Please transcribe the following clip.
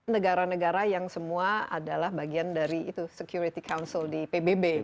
negara negara yang semua adalah bagian dari itu security council di pbb